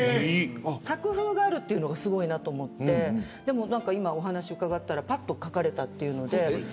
作風があるのがすごいなと思ってでも今、お話伺ったらぱっと描かれたというので。